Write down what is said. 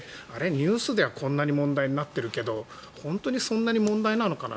ニュースではこんなに問題になってるけど本当にそんなに問題なのかな？